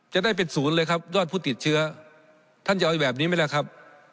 จะได้เป็นศูนย์เลยครับยอดผู้ติดเชื้อท่านจะเอาแบบนี้ไหมล่ะครับ